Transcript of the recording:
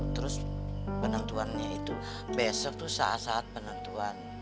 terus penentuannya itu besok tuh saat saat penentuan